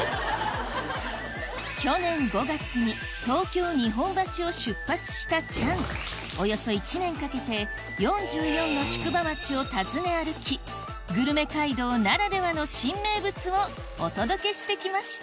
去年５月に東京・日本橋を出発したチャンおよそ１年かけて４４の宿場町を訪ね歩きグルメ街道ならではの新名物をお届けしてきました